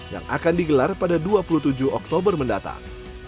yang akan digelar pada dua puluh tujuh oktober mendatang